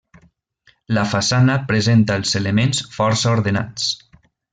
La façana presenta els elements força ordenats.